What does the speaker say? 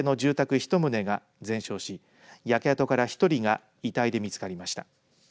１棟が全焼し焼け跡から１人が遺体で見つかりました。